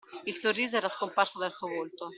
Il sorriso era scomparso dal suo volto.